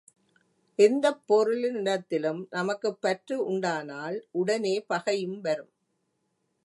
எந்தப் பொருளினிடத்திலும் நமக்குப் பற்று உண்டானால் உடனே பகையும் வரும்.